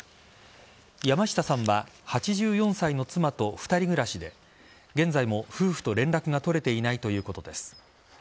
山下さんは８４歳の妻と２人暮らしで現在も夫婦と連絡が取れていないということです。